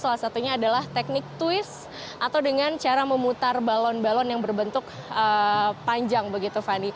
salah satunya adalah teknik twist atau dengan cara memutar balon balon yang berbentuk panjang begitu fani